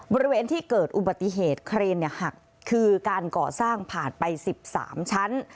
บริเวณที่เกิดอุบัติเหตุเครนหักคือการก่อสร้างผ่านไป๑๓ชั้น